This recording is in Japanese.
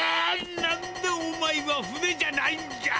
何でお前は船じゃないんじゃ！